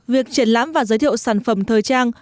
việc triển lãm và giới thiệu sản phẩm thời trang